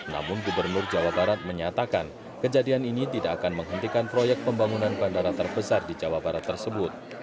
namun gubernur jawa barat menyatakan kejadian ini tidak akan menghentikan proyek pembangunan bandara terbesar di jawa barat tersebut